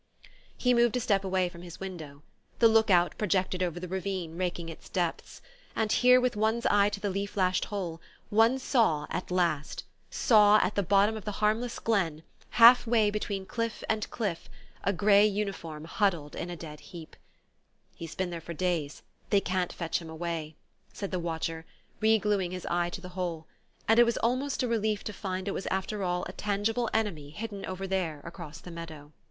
He moved a step away from his window. The look out projected over the ravine, raking its depths; and here, with one's eye to the leaf lashed hole, one saw at last ... saw, at the bottom of the harmless glen, half way between cliff and cliff, a grey uniform huddled in a dead heap. "He's been there for days: they can't fetch him away," said the watcher, regluing his eye to the hole; and it was almost a relief to find it was after all a tangible enemy hidden over there across the meadow...